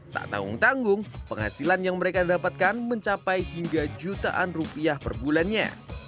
tak tanggung tanggung penghasilan yang mereka dapatkan mencapai hingga jutaan rupiah per bulannya